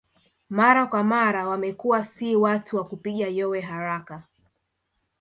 Mara kwa mara wamekuwa si watu wa kupiga yowe haraka